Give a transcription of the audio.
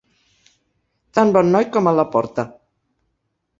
Tan bon noi com el Laporta.